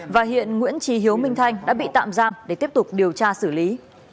và hiện nguyễn trí hiếu minh thanh đã bị tạm giam để tiếp tục điều tra xử lý